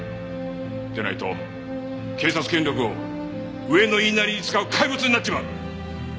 でないと警察権力を上の言いなりに使う怪物になっちまう！